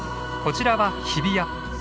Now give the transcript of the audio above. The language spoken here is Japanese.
こちらは日比谷。